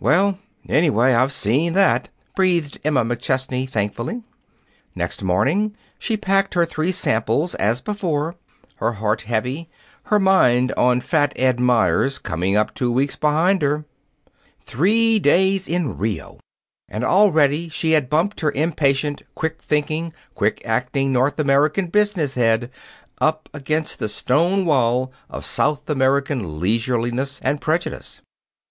"Well, anyway, I've seen that," breathed Emma McChesney thankfully. Next morning, she packed her three samples, as before, her heart heavy, her mind on Fat Ed Meyers coming up two weeks behind her. Three days in Rio! And already she had bumped her impatient, quick thinking, quick acting North American business head up against the stone wall of South American leisureliness and prejudice.